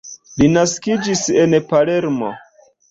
Li naskiĝis en Palermo.